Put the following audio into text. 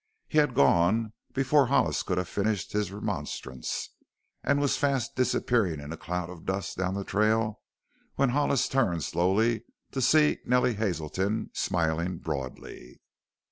He had gone before Hollis could have finished his remonstrance, and was fast disappearing in a cloud of dust down the trail when Hollis turned slowly to see Nellie Hazelton smiling broadly.